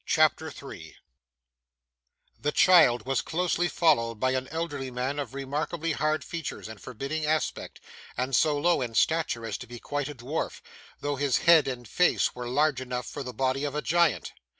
CHAPTER 3 The child was closely followed by an elderly man of remarkably hard features and forbidding aspect, and so low in stature as to be quite a dwarf, though his head and face were large enough for the body of a giant.